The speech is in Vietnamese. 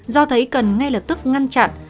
do thấy cần ngay lập tức ngăn chặn